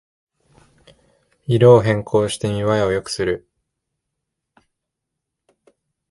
色を変更して見ばえを良くする